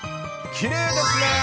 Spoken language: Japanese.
きれいですね。